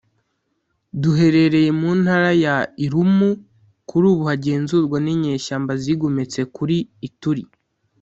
duherereye mu ntara ya Irumu kuri ubu hagenzurwa n’inyeshyamba zigometse kuri Ituri